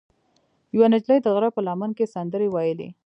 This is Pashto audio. یوه نجلۍ د غره په لمن کې سندرې ویلې.